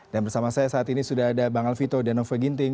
dan bersama saya saat ini sudah ada bang alvito danove ginting